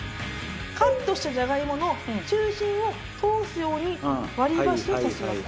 カットしたジャガイモの中心を通すように割り箸を刺します。